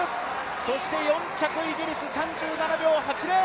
そして４着イギリス３７秒８０。